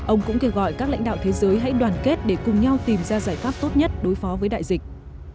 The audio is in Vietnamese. ông cũng kêu gọi các lãnh đạo thế giới hãy đoàn kết để cùng nhau tìm ra giải pháp tốt nhất đối phó với đại dịch